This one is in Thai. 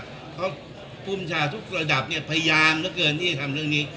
ของเขาคุณปุญชาทุกระดับเนี่ยพยายามมาก่อนที่จะทำเรื่องนี้